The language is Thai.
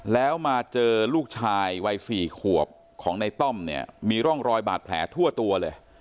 แล้วมาเจอลูกชายวัย๔ขวบของในต้อมเนี่ยมีร่องรอยบาดแผลทั่วตัวเลย